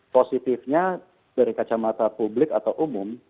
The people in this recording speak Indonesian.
positifnya dari kacamata publik atau umum